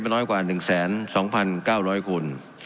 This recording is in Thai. น้อยกว่า๑๒๙๐๐คน